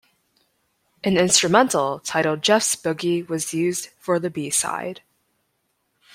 An instrumental titled "Jeff's Boogie" was used for the B-side.